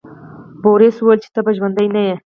بوریس وویل چې ته به ژوندی نه یې.